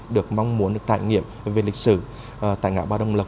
được mong muốn được trải nghiệm về lịch sử tại ngã ba đồng lộc